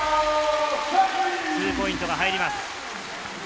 ツーポイントが入ります。